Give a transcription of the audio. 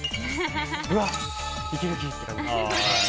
うわ、息抜き！って感じ。